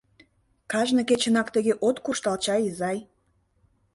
— Кажне кечынак тыге от куржтал чай, изай?